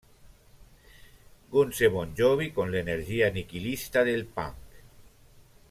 Guns e Bon Jovi, con l'energia nichilista del "punk".